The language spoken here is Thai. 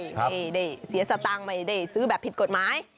ไม่ได้เสียสตางค์ไม่ได้ซื้อแบบผิดกฎหมาย